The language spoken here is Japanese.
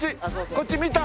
こっち見た？